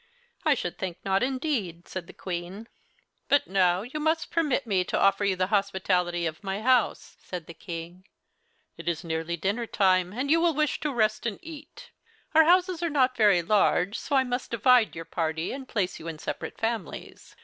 "I should think not, indeed," said the Queen. "But now you must permit me to offer you the hospitality of my house," said the King. "It is nearly dinner time, and you will wish to rest and eat. Our houses are not very large, so I must divide your party and place you in separate families.